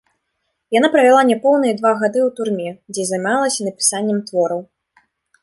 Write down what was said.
Яна правяла няпоўныя два гады ў турме, дзе займалася напісаннем твораў.